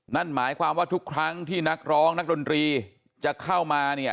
นั่นหมายความว่าทุกครั้งที่นักร้องนักดนตรีจะเข้ามาเนี่ย